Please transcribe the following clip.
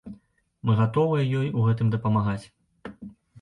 Мы гатовыя ёй у гэтым дапамагаць.